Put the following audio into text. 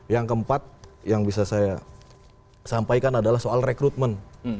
yang keempat yang bisa saya sampaikan adalah soal rekrutmen